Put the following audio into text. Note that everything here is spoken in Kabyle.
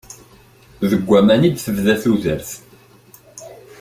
Deg waman i d-tebda tudert.